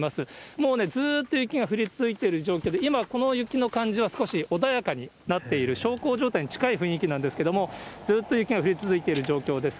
もうね、ずっと雪が降り続いている状況で、今、この雪の感じは少し穏やかになっている、小康状態に近い雰囲気なんですけれども、ずっと雪が降り続いている状況です。